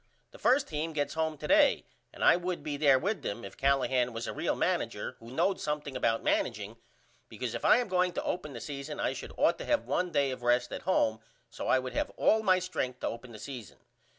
The 1st team gets home to day and I would be there with them if Callahan was a real manager who knowed something about manageing because if I am going to open the season I should ought to have 1 day of rest at home so I would have all my strenth to open the season.